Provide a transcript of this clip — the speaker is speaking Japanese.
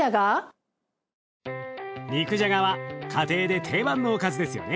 肉じゃがは家庭で定番のおかずですよね。